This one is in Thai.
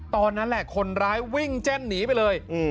ตอนนั้นแหละคนร้ายวิ่งแจ้นหนีไปเลย